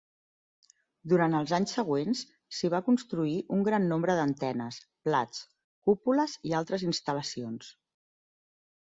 Durant els anys següents s'hi va construir un gran nombre d'antenes, plats, cúpules i altres instal·lacions.